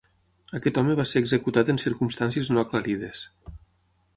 Aquest home va ser executat en circumstàncies no aclarides.